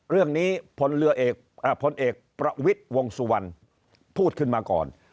เรื่องนี้ผลเอกประวิทย์วงสุวรรณพูดขึ้นมาก่อน